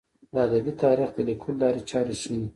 د ادبي تاریخ د لیکلو لارې چارې ښيي.